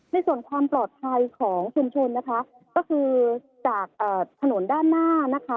ในส่วนความปลอดภัยของชุมชนนะคะก็คือจากถนนด้านหน้านะคะ